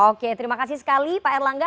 oke terima kasih sekali pak erlangga